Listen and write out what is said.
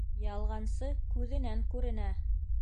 Ялғансы күҙенән күренә.